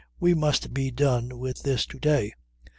We must be done with this to day.